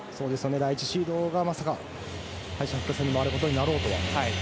第１シードが、まさか敗者復活戦に回ることになろうとは。